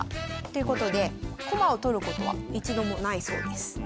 ということで駒を取ることは一度もないそうです。